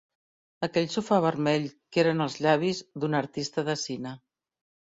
Aquell sofà vermell que eren els llavis d'una artista de cine.